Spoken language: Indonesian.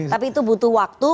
tapi itu butuh waktu